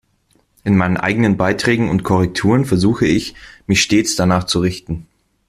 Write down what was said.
In meinen eigenen Beiträgen und Korrekturen versuche ich, mich stets danach zu richten.